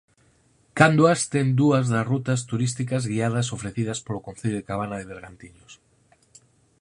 Canduas ten dúas das rutas turísticas guiadas ofrecidas polo concello de Cabana de Bergantiños.